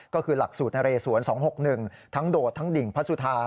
ก็คือหลักสูตรนเรสวน๒๖๑ทั้งโดดทั้งดิ่งพระสุธา